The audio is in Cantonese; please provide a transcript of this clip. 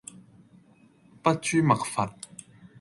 筆誅墨伐